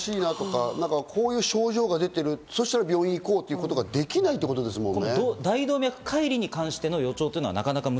ちょっと体がおかしいなとか、こういう症状が出てる、そしたら病院に行こうということができないってことですもんね。